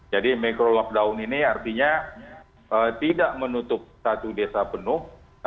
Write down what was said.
jadi micro lockdown ini artinya tidak menutup satu desa penuh